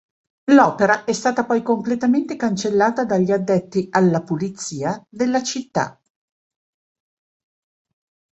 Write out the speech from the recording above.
L'opera è stata poi completamente cancellata dagli addetti alla pulizia della città.